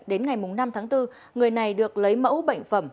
đến ngày năm tháng bốn người này được lấy mẫu bệnh phẩm